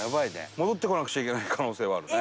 戻ってこなくちゃいけない可能性はあるね。